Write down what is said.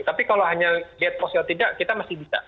tapi kalau hanya lihat posisi atau tidak kita masih bisa